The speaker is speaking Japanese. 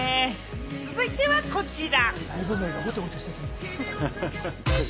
続いてはこちら。